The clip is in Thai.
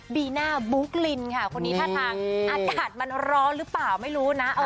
บีน่าบุ๊กลินค่ะคนนี้ท่าทางอากาศมันร้อนหรือเปล่าไม่รู้นะ